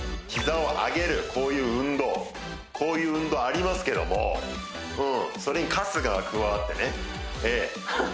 膝を上げるこういう運動こういう運動ありますけどもそれに春日が加わってねええ